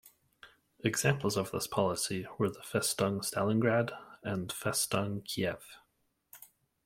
Examples of this policy were the Festung Stalingrad and Festung Kiev.